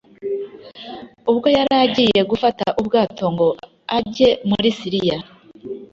ubwo yari agiye gufata ubwato ngo ajye muri siriya